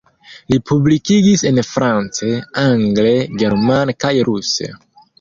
Li publikigis en france, angle, germane kaj ruse.